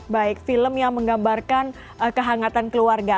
baik film yang menggambarkan kehangatan keluarga